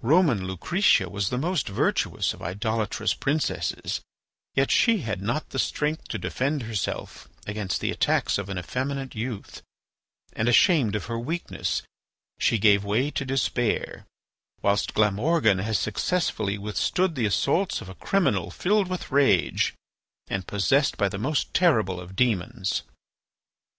Roman Lucretia was the most virtuous of idolatrous princesses, yet she had not the strength to defend herself against the attacks of an effeminate youth, and, ashamed of her weakness, she gave way to despair, whilst Glamorgan has successfully withstood the assaults of a criminal filled with rage, and possessed by the most terrible of demons."